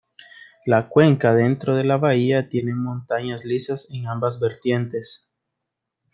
La cuenca dentro de la bahía tiene montañas lisas en ambas vertientes.